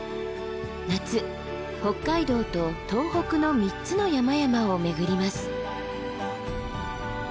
夏北海道と東北の３つの山々を巡ります。